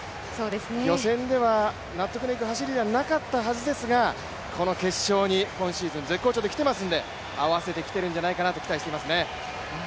予選では納得のいく走りではなかったはずですがこの決勝に今シーズン、絶好調できていますので、合わせてきてるんじゃないかなと期待していますね。